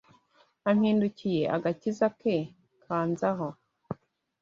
Ampindukiye agakiza ke kanzaho